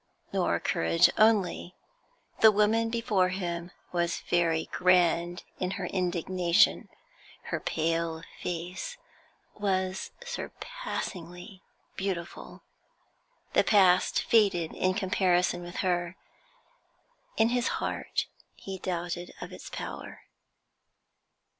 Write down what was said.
Nor courage only; the woman before him was very grand in her indignation, her pale face was surpassingly beautiful. The past faded in comparison with her; in his heart he doubted of its power.